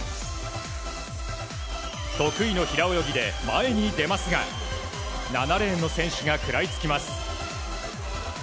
得意の平泳ぎで前に出ますが７レーンの選手が食らいつきます。